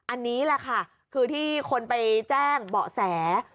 อันนี้แหละค่ะคือที่คนไปแจ้งเบาะแส